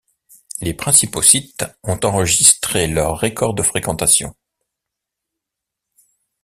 Les principaux sites ont enregistré leur record de fréquentation.